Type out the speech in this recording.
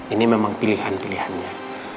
ini memang pilihan pilihannya